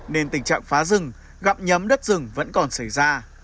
nên tình trạng phá rừng gặm nhấm đất rừng vẫn còn xảy ra